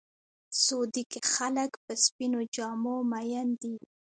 سعودي کې خلک په سپینو جامو مین دي.